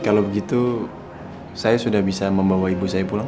kalau begitu saya sudah bisa membawa ibu saya pulang